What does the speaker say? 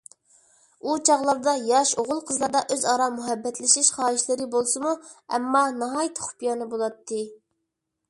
ئۇ چاغلاردا ياش ئوغۇل-قىزلاردا ئۆزئارا مۇھەببەتلىشىش خاھىشلىرى بولسىمۇ، ئەمما ناھايىتى خۇپىيانە بولاتتى.